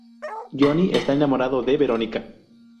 Johnny está enamorado de Verónica.